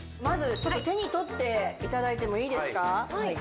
まずちょっと手に取っていただいてもいいですか？